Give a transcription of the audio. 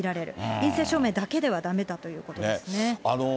陰性証明だけではだめだということですね。